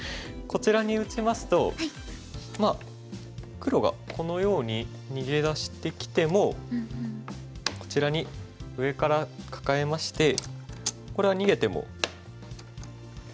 こちらに打ちますと黒がこのように逃げ出してきてもこちらに上からカカえましてこれは逃げても。